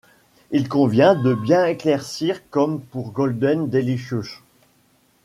Il convient de bien éclaircir comme pour Golden Delicious.